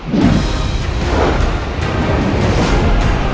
saya akan menjaga kebenaran raden